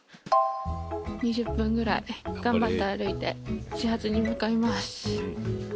２０分ぐらい頑張って歩いて始発に向かいます。